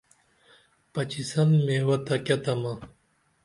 پچِسن میوہ تہ کیہ طمع